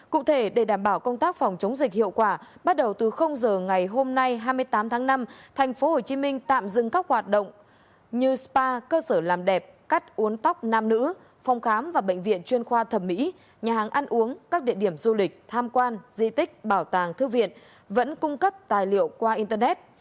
cụ thể để đảm bảo công tác phòng chống dịch hiệu quả bắt đầu từ giờ ngày hôm nay hai mươi tám tháng năm tp hcm tạm dừng các hoạt động như spa cơ sở làm đẹp cắt uốn tóc nam nữ phòng khám và bệnh viện chuyên khoa thẩm mỹ nhà hàng ăn uống các địa điểm du lịch tham quan di tích bảo tàng thư viện vẫn cung cấp tài liệu qua internet